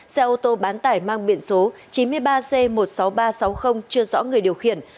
xe ô tô bán tải mang biển số chín mươi ba c một mươi sáu nghìn ba trăm sáu mươi chưa rõ người điều khiển